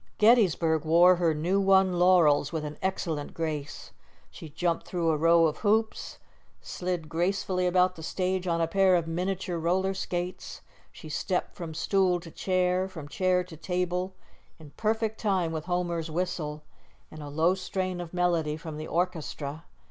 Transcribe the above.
Gettysburg wore her new won laurels with an excellent grace. She jumped through a row of hoops, slid gracefully about the stage on a pair of miniature roller skates; she stepped from stool to chair, from chair to table, in perfect time with Homer's whistle, and a low strain of melody from the orchestra.